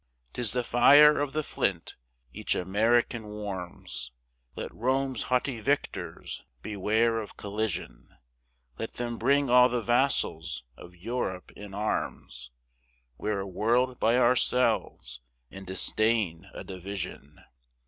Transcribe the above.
'Tis the fire of the flint, each American warms: Let Rome's haughty victors beware of collision, Let them bring all the vassals of Europe in arms, We're a world by ourselves, and disdain a division.